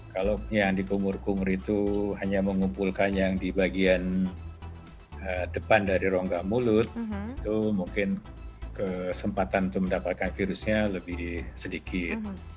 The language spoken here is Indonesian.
kalau yang di kumur kumur itu hanya mengumpulkan yang di bagian depan dari rongga mulut itu mungkin kesempatan untuk mendapatkan virusnya lebih sedikit